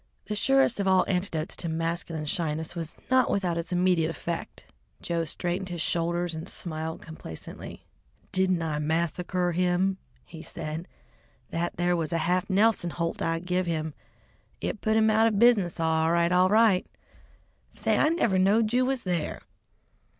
The surest of all antidotes to masculine shyness was not without its immediate effect. Joe straightened his shoulders and smiled complacently. "Didn't I massacre him?" he said. "That there was a half Nelson holt I give him. It put him out of business all right, all right. Say, I never knowed you was there!"